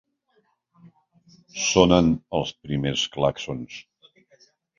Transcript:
Sonen els primers clàxons.